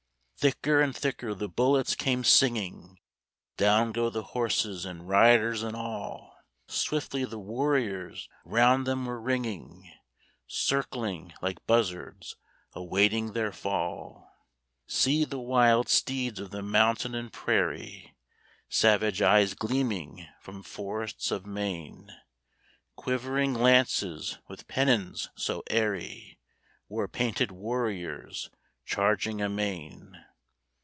Thicker and thicker the bullets came singing; Down go the horses and riders and all; Swiftly the warriors round them were ringing, Circling like buzzards awaiting their fall. See the wild steeds of the mountain and prairie, Savage eyes gleaming from forests of mane; Quivering lances with pennons so airy, War painted warriors charging amain.